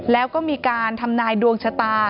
แล้วก็มีการทำนายดวงชะตา